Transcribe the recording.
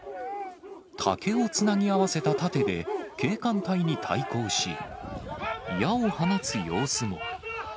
竹をつなぎ合わせた盾で警官隊に対抗し、矢を放つ様子も。